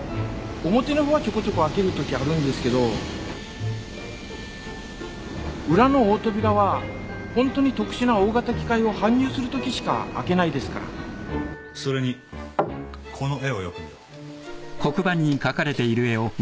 表のほうはちょこちょこ開けるときあるんですけど裏の大扉はホントに特殊な大型機械を搬入するときしか開けないですからそれにこの絵をよく見ろ。